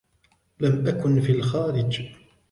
لم أكن في الخارج.